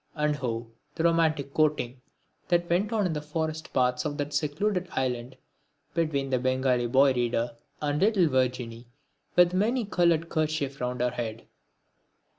And oh! the romantic courting that went on in the forest paths of that secluded island, between the Bengali boy reader and little Virginie with the many coloured kerchief round her head!